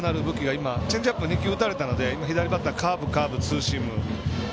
今、チェンジアップ打たれたので左バッター、カーブ、カーブツーシーム。